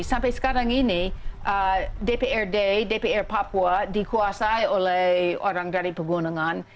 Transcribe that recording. sampai sekarang ini dprd dpr papua dikuasai oleh orang dari pegunungan